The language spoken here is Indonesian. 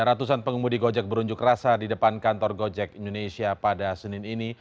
ratusan pengemudi gojek berunjuk rasa di depan kantor gojek indonesia pada senin ini